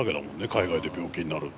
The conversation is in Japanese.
海外で病気になるって。